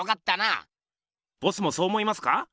ボスもそう思いますか？